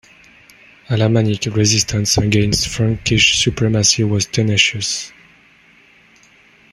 Alamannic resistance against Frankish supremacy was tenacious.